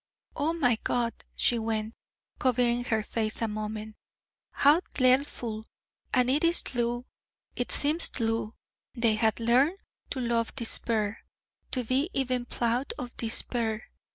"' 'Oh my God,' she went, covering her face a moment, 'how dleadful! And it is tlue, it seems tlue: they had learned to love Despair, to be even ploud of Despair.